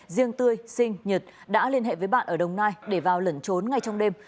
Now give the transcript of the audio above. riêng tươi sinh nhật đã liên hệ với bạn ở đồng nai để vào lẩn trốn ngay trong đêm